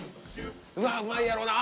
うわうまいやろうな！